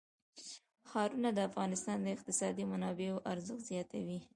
ښارونه د افغانستان د اقتصادي منابعو ارزښت زیاتوي.